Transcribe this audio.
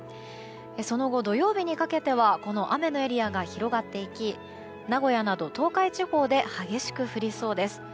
その後、土曜日にかけては雨のエリアが広がっていき名古屋など東海地方で激しく降りそうです。